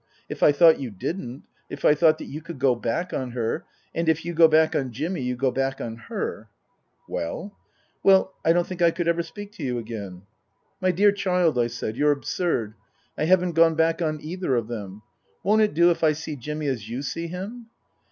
If I thought you didn't if I thought that you could go back on her and if you go back on Jimmy you go back on her " Well ?"" Well, I don't think I could ever speak to you again." " My dear child," I said, " you're absurd. I haven't gone back on either of them. Won't it do if I see Jimmy as you see him